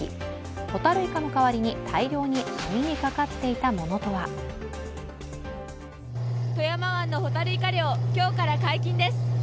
ホタルイカの代わりに大量に網にかかっていたものとは富山湾のホタルイカ漁、今日から解禁です。